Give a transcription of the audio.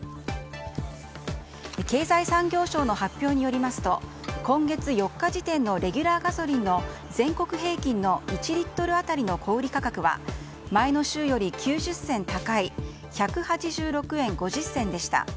経済産業省の発表によりますと今月４日時点のレギュラーガソリンの全国平均の１リットル当たりの小売価格は前の週より９０銭高い１８６円５０銭でした。